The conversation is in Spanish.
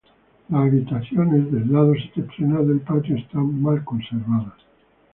Las habitaciones del lado septentrional del patio están mal conservadas.